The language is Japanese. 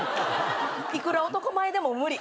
いくら男前でも無理。